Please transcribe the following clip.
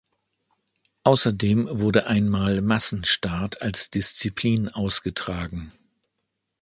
Außerdem wurde einmal Massenstart als Disziplin ausgetragen.